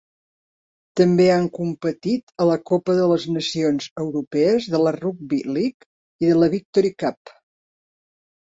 També han competit a la Copa de les Nacions Europees de la Rugby League i a la Victory Cup.